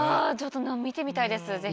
見てみたいですぜひ。